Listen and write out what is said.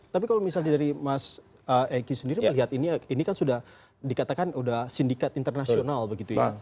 tapi kalau misalnya dari mas eki sendiri melihat ini kan sudah dikatakan sudah sindikat internasional begitu ya